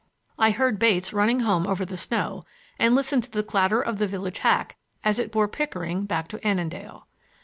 I heard Bates running home over the snow and listened to the clatter of the village hack as it bore Pickering back to Annandale.